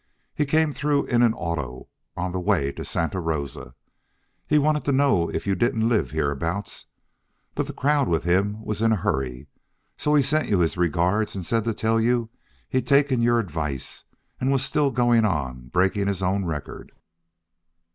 He came through in an auto, on the way to Santa Rosa. He wanted to know if you didn't live hereabouts, but the crowd with him was in a hurry. So he sent you his regards and said to tell you he'd taken your advice and was still going on breaking his own record."